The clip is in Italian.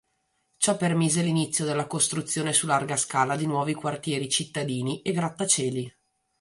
Ciò permise l'inizio della costruzione su larga scala di nuovi quartieri cittadini e grattacieli.